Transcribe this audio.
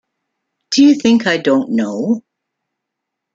Do you think I don't know?